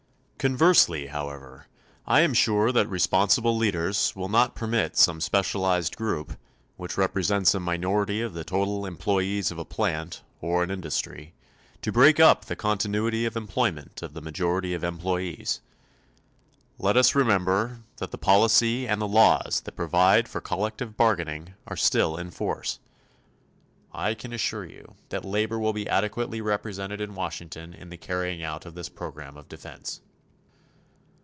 Conversely, however, I am sure that responsible leaders will not permit some specialized group, which represents a minority of the total employees of a plant or an industry, to break up the continuity of employment of the majority of the employees. Let us remember that the policy and the laws that provide for collective bargaining are still in force. I can assure you that labor will be adequately represented in Washington in the carrying out of this program of defense.